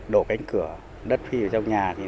đổ cánh cửa đất phi vào trong nhà